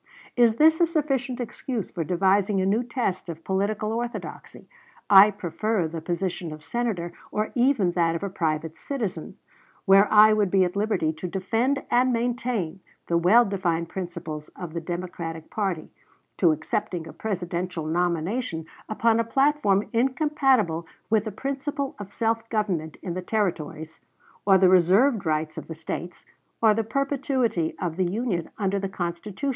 Is this a sufficient excuse for devising a new test of political orthodoxy?... I prefer the position of Senator or even that of a private citizen, where I would be at liberty to defend and maintain the well defined principles of the Democratic party, to accepting a Presidential nomination upon a platform incompatible with the principle of self government in the Territories, or the reserved rights of the States, or the perpetuity of the Union under the Constitution."